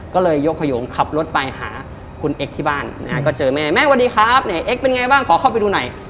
ก็เลยยกขยงขับรถไปหาคุณเอ็กซ์ที่บ้านนะฮะก็เจอแม่แม่สวัสดีครับไหนเอ็กเป็นไงบ้างขอเข้าไปดูหน่อย